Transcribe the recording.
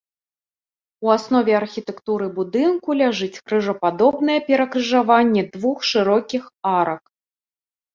У аснове архітэктуры будынку ляжыць крыжападобнае перакрыжаванне двух шырокіх арак.